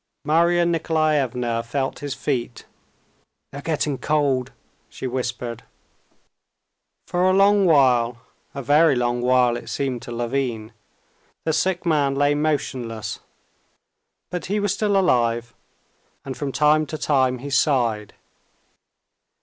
Marya Nikolaevna felt his feet. "They're getting cold," she whispered. For a long while, a very long while it seemed to Levin, the sick man lay motionless. But he was still alive, and from time to time he sighed.